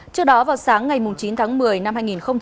trước đó vào sáng ngày chín tháng một mươi năm hai nghìn một mươi chín